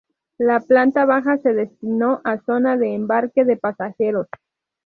La planta baja se destinó a zona de embarque de pasajeros.